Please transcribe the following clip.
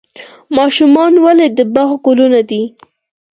ماشومان ولې د باغ ګلونه دي؟